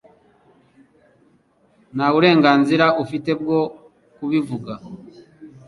Nta burenganzira ufite bwo kubivuga